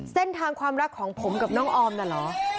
เส้นทางความรักของผมกับน้องออมน่ะเหรอ